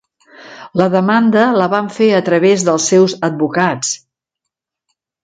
La demanda la van fer a través dels seus advocats